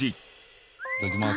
いただきます。